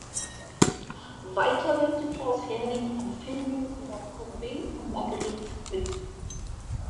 Weiter wirkte Klaus Herding an Filmen über Courbet und Magritte mit.